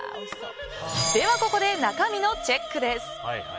ここで中身のチェックです。